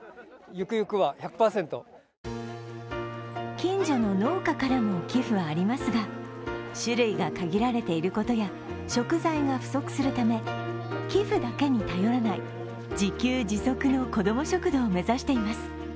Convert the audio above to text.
近所の農家からも寄付はありますが、種類が限られていることや食材が不足するため寄付だけに頼らない自給自足の子ども食堂を目指しています。